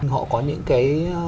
họ có những cái